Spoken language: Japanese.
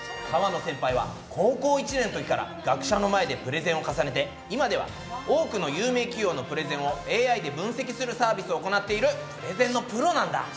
河野先輩は高校１年のときから学者の前でプレゼンを重ねて今では多くの有名企業のプレゼンをＡＩで分析するサービスを行っているプレゼンのプロなんだ！